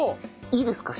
いいですか？